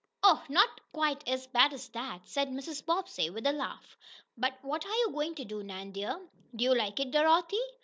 "Oh, not quite as bad as that," said Mrs. Bobbsey, with a laugh. "But what are you going to do, Nan, dear? Do you like it, Dorothy?"